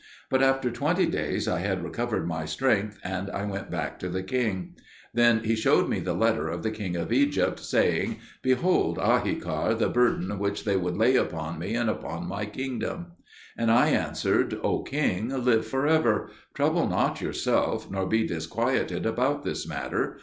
But after twenty days I had recovered my strength, and I went back to the king. Then he showed me the letter of the king of Egypt, saying, "Behold, Ahikar, the burden which they would lay upon me and upon my kingdom." And I answered, "O king, live for ever. Trouble not yourself, nor be disquieted about this matter.